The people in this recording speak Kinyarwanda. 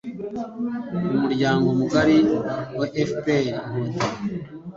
umuryango mugari fpr-inkotanyi